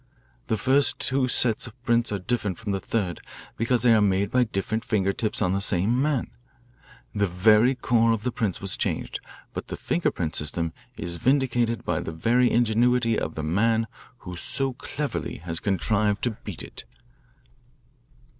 The first two sets of prints are different from the third because they are made by different finger tips on the same man. The very core of the prints was changed. But the finger print system is vindicated by the very ingenuity of the man who so cleverly has contrivred to beat it."